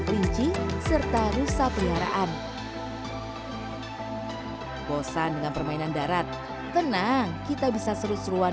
kelinci serta rusa peliharaan bosan dengan permainan darat tenang kita bisa seru seruan